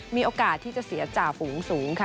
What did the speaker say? มีโอกาสที่จะเสียจ่าฝูงสูงค่ะ